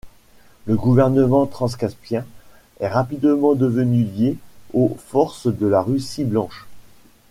Le gouvernement transcaspien est rapidement devenu lié aux forces de la Russie blanche.